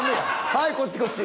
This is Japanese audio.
はいこっちこっち。